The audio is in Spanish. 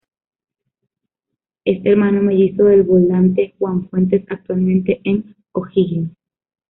Es hermano mellizo del volante Juan Fuentes actualmente en O'Higgins.